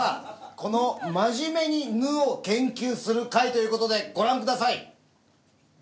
この「まじめに“ぬ”を研究する会」という事でご覧ください！